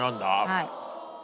はい。